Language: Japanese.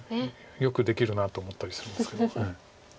よくできるなと思ったりするんですけど。